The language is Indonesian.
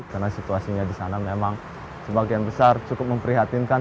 karena situasinya di sana memang sebagian besar cukup memprihatinkan